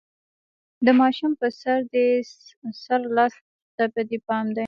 د ماشوم په سر، دې سره لاس ته دې پام دی؟